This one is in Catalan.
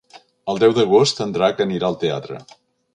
El deu d'agost en Drac anirà al teatre.